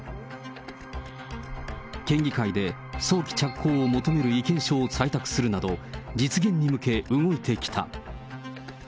県議会で、早期着工を求める意見書を採択するなど、実現に向け、動いてきた。